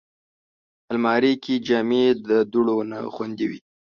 الماري کې جامې د دوړو نه خوندي وي